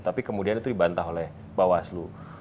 tapi kemudian itu dibantah oleh bawaslu